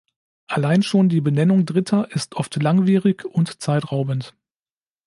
Allein schon die Benennung Dritter ist oft langwierig und zeitraubend.